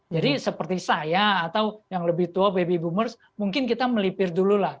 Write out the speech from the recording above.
jadi seperti saya atau yang lebih tua baby boomers mungkin kita melipir dulu lah